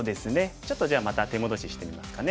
ちょっとじゃあまた手戻ししてみますかね。